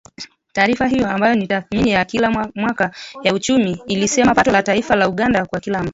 taarifa hiyo ambayo ni tathmini ya kila mwaka ya uchumi, ilisema pato la taifa la Uganda kwa kila mtu